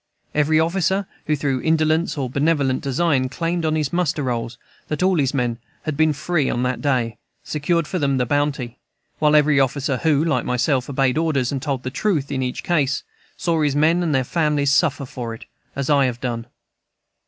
Every officer, who through indolence or benevolent design claimed on his muster rolls that all his men had been free on that day, secured for them the bounty; while every officer who, like myself, obeyed orders and told the truth in each case, saw his men and their families suffer for it, as I have done.